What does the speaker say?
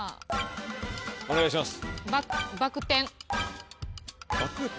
お願いします。